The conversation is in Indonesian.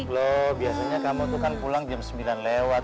loh biasanya kamu tuh kan pulang jam sembilan lewat